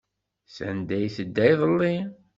Sanda ay tedda iḍelli?